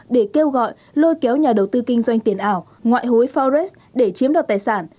để kêu gọi lôi kéo nhà đầu tư kinh doanh tiền ảo ngoại hối forex để chiếm đoạt tài sản